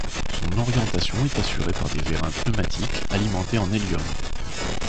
Son orientation est assurée par des vérins pneumatiques alimentés en hélium.